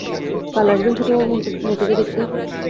কাল আসবেন ছোটবাবু মতিকে দেখতে?